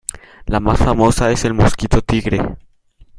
La más famosa es el mosquito tigre.